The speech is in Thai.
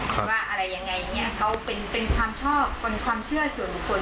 ครับว่าอะไรยังไงเนี้ยเขาเป็นเป็นความชอบเป็นความเชื่อส่วนผล